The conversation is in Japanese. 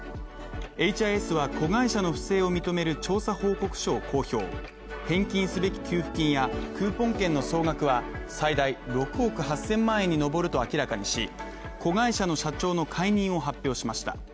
エイチ・アイ・エスは子会社の不正を認める調査報告書を公表、返金すべき給付金やクーポン券の総額は最大６億８０００万円に上ると明らかにし子会社の社長の解任を発表しました。